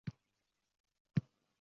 Hech kim, hech narsa esdan chiqmaydi